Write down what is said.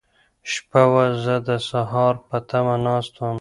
شپه وه، زه د سهار په تمه ناست وم.